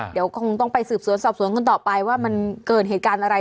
เดี๋ยวคงต้องไปสืบสวนสอบสวนกันต่อไปว่ามันเกิดเหตุการณ์อะไร